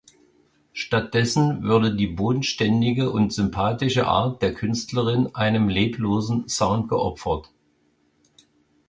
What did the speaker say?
Stattdessen würde die bodenständige und sympathische Art der Künstlerin einem leblosen Sound geopfert.